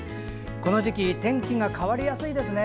この時期天気が変わりやすいですね。